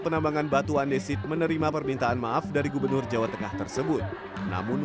penambangan batu andesit menerima permintaan maaf dari gubernur jawa tengah tersebut namun